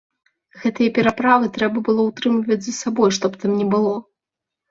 Гэтыя пераправы трэба было ўтрымліваць за сабой што б там ні было.